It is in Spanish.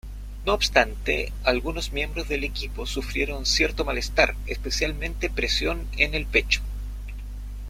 No obstante, algunos miembros del equipo sufrieron cierto malestar, especialmente presión en el pecho.